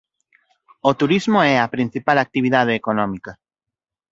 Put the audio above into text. O turismo é a principal actividade económica.